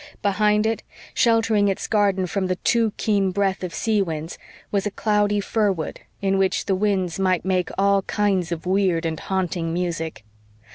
Behind it, sheltering its garden from the too keen breath of sea winds, was a cloudy fir wood, in which the winds might make all kinds of weird and haunting music.